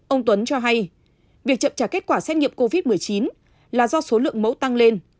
ông tuấn cho hay việc chậm trả kết quả xét nghiệm covid một mươi chín là do số lượng mẫu tăng lên